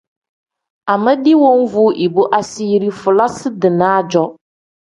Amedi woovu ibu asiiri fulasi-dinaa-jo.